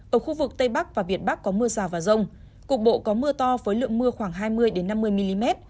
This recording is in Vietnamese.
ở khu vực tây bắc và việt bắc có mưa rào và rông cục bộ có mưa to với lượng mưa khoảng hai mươi năm mươi mm